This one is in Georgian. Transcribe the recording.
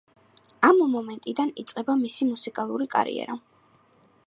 ამ მომენტიდან იწყება მისი მუსიკალური კარიერა.